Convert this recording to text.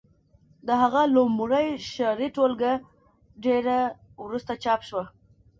د هغه لومړۍ شعري ټولګه ډېره وروسته چاپ شوه